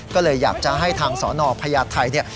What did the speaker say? ก็เลยอยากจะให้ทางสนพญาติไทย